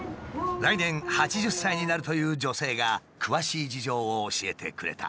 来年８０歳になるという女性が詳しい事情を教えてくれた。